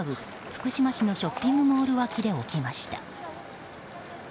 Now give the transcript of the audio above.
福島市のショッピングモール脇で起きました。